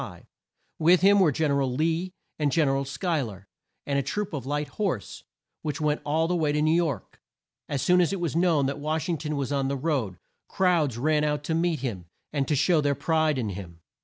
With him were Gen er al Lee and Gen er al Schuy ler, and a troop of light horse, which went all the way to New York. As soon as it was known that Wash ing ton was on the road, crowds ran out to meet him, and to show their pride in him.